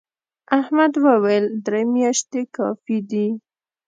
احمد وويل: درې میاشتې کافي دي.